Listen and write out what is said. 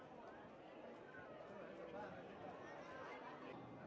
โปรดติดตามต่อไป